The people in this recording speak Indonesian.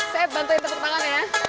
saya bantuin tepuk tangan ya